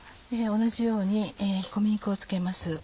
同じように小麦粉を付けます。